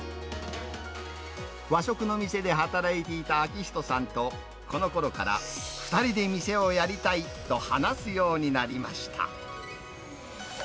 和食の店で働いていた明人さんと、このころから、２人で店をやりたいと話すようになりました。